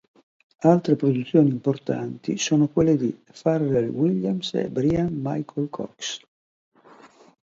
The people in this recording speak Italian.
Altre produzioni importanti sono quelle di Pharrell Williams e Bryan Michael Cox.